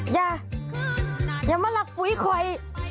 อย่าอย่ามารักปุ๋ยคอย